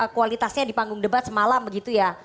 kualitasnya di panggung debat semalam begitu ya